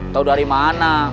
tau dari mana